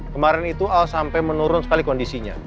kemarin itu sampai menurun sekali kondisinya